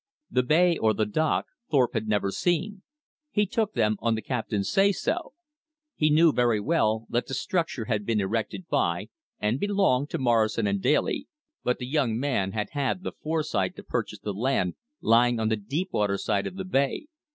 The bay or the dock Thorpe had never seen. He took them on the captain's say so. He knew very well that the structure had been erected by and belonged to Morrison & Daly, but the young man had had the foresight to purchase the land lying on the deep water side of the bay.